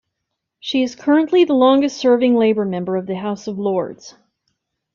She is currently the longest serving Labour member of the House of Lords.